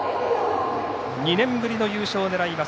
２年ぶりの優勝を狙います